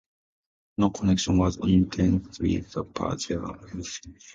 No connection was intended with the Persian historian Firishta.